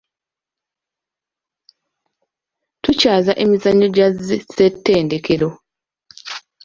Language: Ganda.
Tukyaza emizannyo gya zi Ssettendekero.